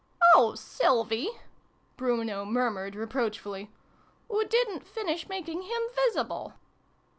" "Oh, Sylvie /" Bruno murmured reproach fully. " Oo didn't finish making him visible